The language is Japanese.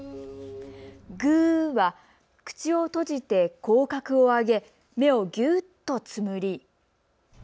グーは、口を閉じて口角を上げ、目をぎゅーっとつむり。